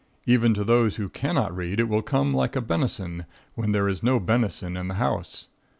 Even to those who cannot read, it will come like a benison when there is no benison in the house.